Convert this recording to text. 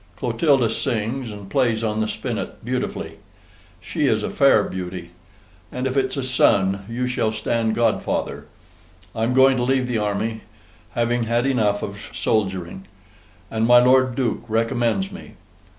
Clotilda sings, and plays on the Spinet BEAUTIFULLY. She is a fair beauty. And if it's a son, you shall stand GODFATHER. I'm going to leave the army, having had ENUF OF SOLDERING; and my Lord Duke RECOMMENDS me.